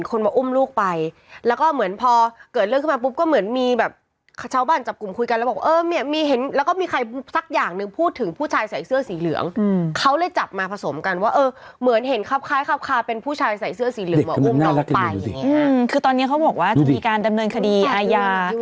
คือตอนนี้เขาบอกว่านี่การดำเนินคดีอายะ